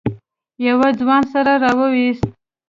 يوه ځوان سر راويست.